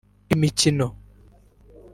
imikino